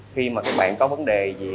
khi mà các bạn có vấn đề gì